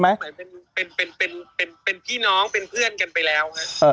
เหมาะแต่ว่าประชุมสภาคิตจะเป็นพี่น้องเป็นเพื่อนกันไปแล้วไง